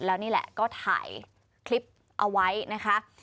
แล้วนี่แหละก็ถ่ายคลิปเอาไว้นะคะ